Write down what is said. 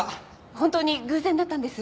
本当に偶然だったんです。